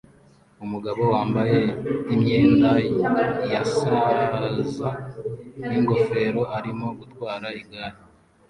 Umugabo wambaye imyenda ya saza n'ingofero arimo gutwara igare